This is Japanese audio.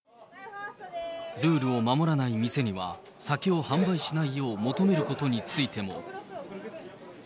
ルールを守らない店には、酒を販売しないよう求めることについても。